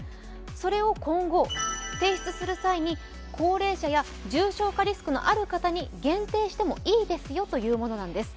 それを今後、提出する際に高齢者や重症化リスクのある方に限定してもいいですよというものです。